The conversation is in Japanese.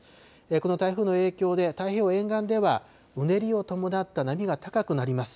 この台風の影響で、太平洋沿岸ではうねりを伴った波が高くなります。